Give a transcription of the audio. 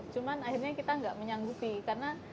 cuman akhirnya kita nggak menyanggupi karena